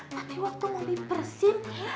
tapi waktu momi bersin